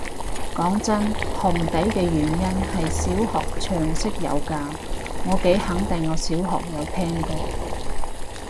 講真，紅底嘅原因係小學常識有教，我幾肯定我小學有聽過